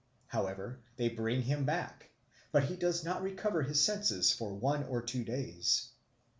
However, they bring him back, but he does not recover his senses for one or two days.